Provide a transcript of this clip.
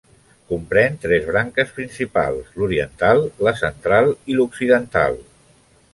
Comprèn tres branques principals: l'oriental, la central i l'occidental.